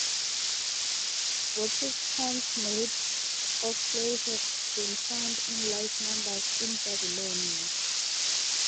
Votive cones made of clay have been found in large numbers in Babylonia.